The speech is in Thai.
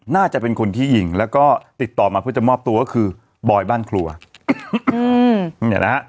น่าจะเป็นคนที่ยิงแล้วก็ติดต่อมาเพื่อจะมอบตัวก็คือบอยบ้านครัวอืมเนี่ยนะฮะ